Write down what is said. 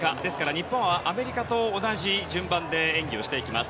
日本はアメリカと同じ順番で演技をしていきます。